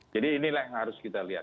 jadi inilah yang harus kita lihat